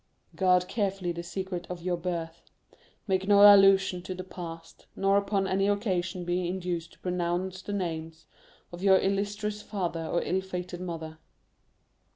"Guard carefully the secret of your birth. Make no allusion to the past; nor upon any occasion be induced to pronounce the names of your illustrious father or ill fated mother."